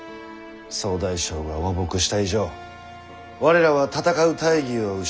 総大将が和睦した以上我らは戦う大義を失った。